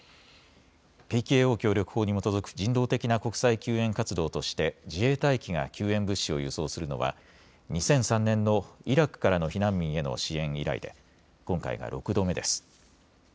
ＰＫＯ協力法に基づく人道的な国際救援活動として自衛隊機が救援物資を輸送するのは２００３年のイラクからの避難民への支援以来で今回が６度目です。